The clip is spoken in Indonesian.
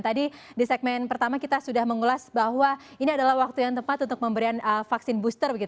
tadi di segmen pertama kita sudah mengulas bahwa ini adalah waktu yang tepat untuk memberikan vaksin booster